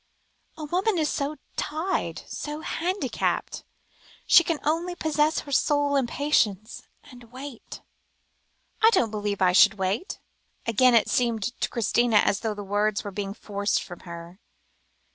"A woman is so tied, so handicapped; she can only possess her soul in patience, and wait." "I don't believe I should wait," again it seemed to Christina, as though the words were being forced from her.